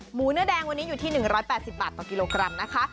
หมูเนื้อแดงวันนี้อยู่ที่๑๘๐บาทต่อกิโลกรัมนะคะ